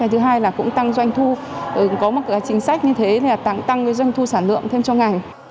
thứ hai là cũng tăng doanh thu có một chính sách như thế là tăng doanh thu sản lượng thêm cho ngành